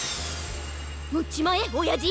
うっちまえおやじ！